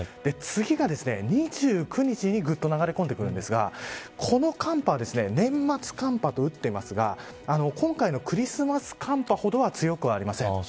次が２９日にぐっと流れ込んでくるんですがこの寒波は年末寒波となっていますが今回のクリスマス寒波ほどは強くはありません。